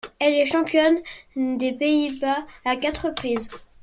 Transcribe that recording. Elle est championne des Pays-Bas à quatre reprises.